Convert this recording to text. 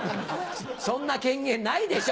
そんな権限ないでしょ？